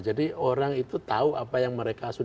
jadi orang itu tahu apa yang mereka lakukan